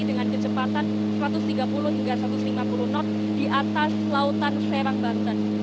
dengan kecepatan satu ratus tiga puluh hingga satu ratus lima puluh knot di atas lautan serang banten